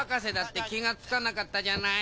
てきがつかなかったじゃない！